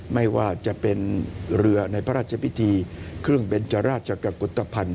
ไม่ว่าจะเป็นเรือในพระราชพิธีเครื่องเบนจราชกุฏภัณฑ์